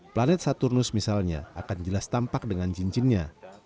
planet saturnus misalnya akan jelas tampak dengan cincinnya